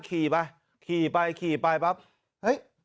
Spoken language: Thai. ข่าวไปขี่ไปข่าวไป